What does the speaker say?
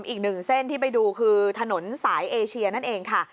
อีกหนึ่งเส้นที่ไปดูคือถนนสายเอเชียนั่นเองค่ะ